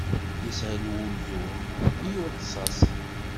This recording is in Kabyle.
Yeshel uldun i uḍsas.